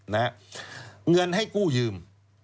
เงินให้กู้ยืม